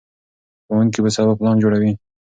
ښوونکي به سبا پلان جوړوي.